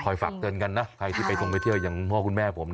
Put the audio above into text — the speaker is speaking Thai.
ฝากเตือนกันนะใครที่ไปทงไปเที่ยวอย่างพ่อคุณแม่ผม